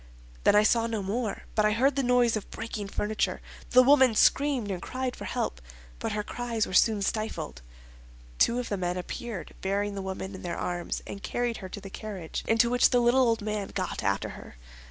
Then I saw no more; but I heard the noise of breaking furniture. The woman screamed, and cried for help; but her cries were soon stifled. Two of the men appeared, bearing the woman in their arms, and carried her to the carriage, into which the little old man got after her.